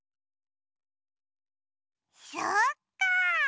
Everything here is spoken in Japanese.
そっかあ！